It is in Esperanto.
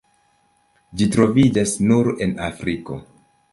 Ĝi troviĝas nur en Afriko.